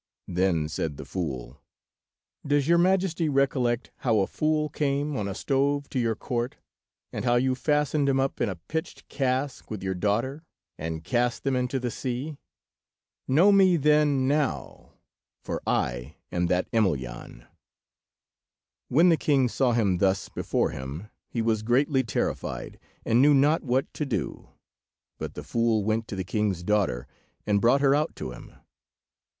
Then said the fool— "Does not your majesty recollect how a fool came on a stove to your court, and how you fastened him up in a pitched cask with your daughter, and cast them into the sea? Know me then now, for I am that Emelyan." When the king saw him thus before him, he was greatly terrified, and knew not what to do. But the fool went to the king's daughter, and brought her out to him.